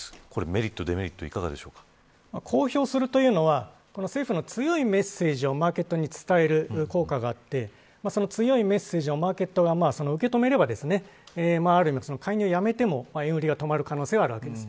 メリット、デメリットは公表するというのは政府の強いメッセージをマーケットに伝える効果があってその強いメッセージをマーケットが受け止めれば介入をやめても、円売りが止まる可能性はあるわけです。